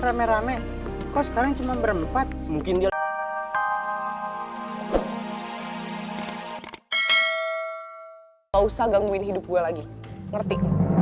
rame rame kau sekalian cuma berempat mungkin dia usah gangguin hidup gue lagi ngerti